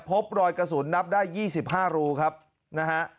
พบรอยกระสุนนับได้๒๕รูครับนะฮะ